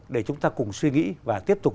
để chúng ta cùng suy nghĩ và tiếp tục